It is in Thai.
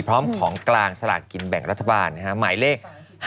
พร้อมของกลางสลากกินแบ่งรัฐบาลหมายเลข๕๗